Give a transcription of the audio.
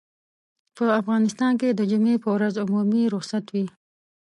په افغانستان کې د جمعې پر ورځ عمومي رخصت وي.